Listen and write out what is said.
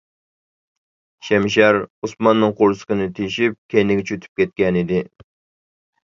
شەمشەر ئوسماننىڭ قورسىقىنى تېشىپ كەينىگىچە ئۆتۈپ كەتكەنىدى.